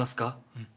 うん。